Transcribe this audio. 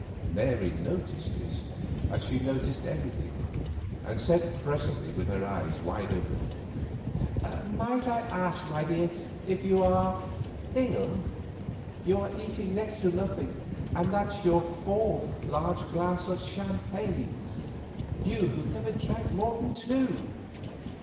Mary noticed this as she noticed everything, and said presently with her eyes wide open: "Might I ask, my dear, if you are—ill? You are eating next to nothing, and that's your fourth large glass of champagne—you who never drank more than two.